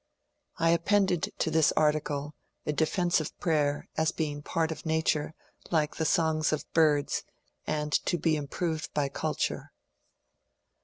I appended to this article a defence of prayer as being a part of nature like the songs of birds, and to be improved by cul ture.